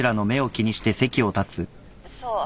そう。